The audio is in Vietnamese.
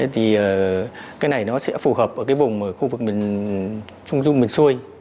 thì cái này nó sẽ phù hợp ở cái vùng khu vực miền trung dung miền xuôi